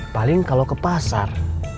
paling kalau ke pasar